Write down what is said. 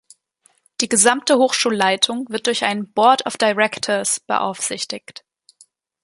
Die gesamte Hochschulleitung wird durch ein "Board of Directors" beaufsichtigt.